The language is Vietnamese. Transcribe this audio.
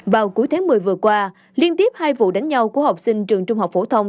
vào cuối tháng một mươi vừa qua liên tiếp hai vụ đánh nhau của học sinh trường trung học phổ thông